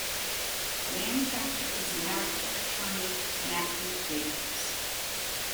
Lancaster is married to attorney Matthew Jacobs.